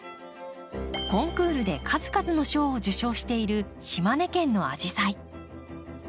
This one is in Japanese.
コンクールで数々の賞を受賞している島根県のアジサイ。